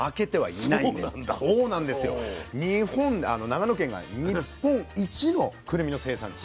長野県が日本一のくるみの生産地。